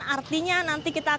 dan artinya nanti kita akan